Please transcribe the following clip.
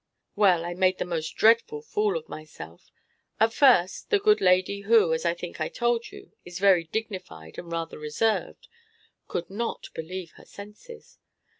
Well, I made the most dreadful fool of myself. At first, the good lady who (as I think I told you) is very dignified and rather reserved, could not believe her senses.